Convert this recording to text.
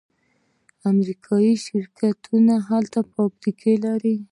امریکایی شرکتونه هلته فابریکې لري.